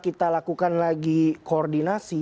kita lakukan lagi koordinasi